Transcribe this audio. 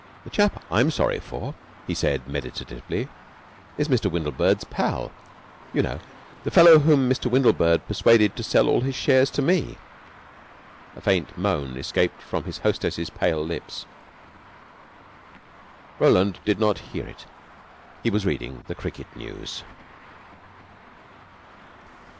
"The chap I'm sorry for," he said meditatively, "is Mr. Windlebird's pal. You know. The fellow whom Mr. Windlebird persuaded to sell all his shares to me." A faint moan escaped from his hostess's pale lips. Roland did not hear it. He was reading the cricket news.